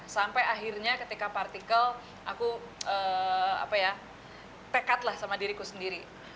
sampai akhirnya ketika partikel aku tekad lah sama diriku sendiri